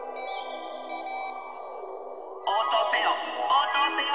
おうとうせよ！